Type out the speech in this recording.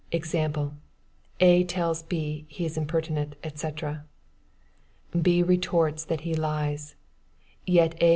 Example: A. tells B. he is impertinent, &C. B. retorts, that he lies; yet A.